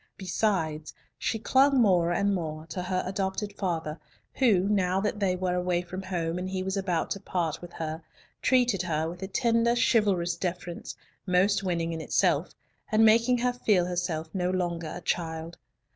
Besides, she clung more and more to her adopted father, who, now that they were away from home and he was about to part with her, treated her with a tender, chivalrous deference, most winning in itself, and making her feel herself no longer a child.